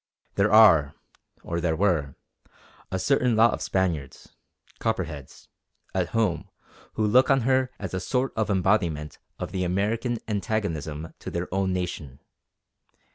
There are, or there were, a certain lot of Spaniards Copperheads at home who look on her as a sort of embodiment of the American antagonism to their own nation.